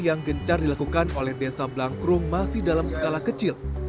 yang gencar dilakukan oleh desa blangkrum masih dalam skala kecil